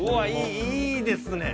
いいですね。